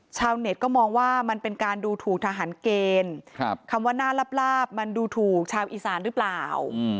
ชาวเน็ตก็มองว่ามันเป็นการดูถูกทหารเกณฑ์คำว่าหน้าลาบมันดูถูกชาวอีสานหรือเปล่า